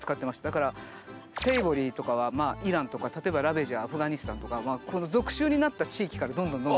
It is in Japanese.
だからセイボリーとかはイランとか例えばラベージはアフガニスタンとか属州になった地域からどんどんどんどん。